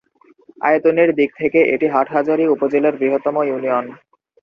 আয়তনের দিক থেকে এটি হাটহাজারী উপজেলার বৃহত্তম ইউনিয়ন।